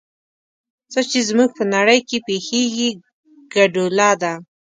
څه چې زموږ په نړۍ کې پېښېږي ګډوله ده.